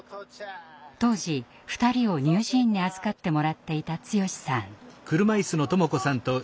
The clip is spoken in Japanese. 当時２人を乳児院に預かってもらっていた剛さん。